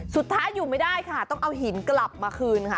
สุดท้ายอยู่ไม่ได้ค่ะต้องเอาหินกลับมาคืนค่ะ